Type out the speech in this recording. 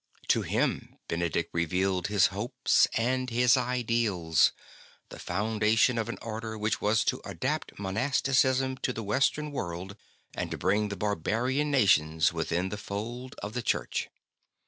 To him Benedict revealed his hopes and his ideals — the foundation of an Order which was to adapt monasticism to the Western world, and to bring the barbarian nations within the fold of the Church.